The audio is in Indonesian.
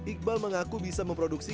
iqbal mengaku bisa memproduksi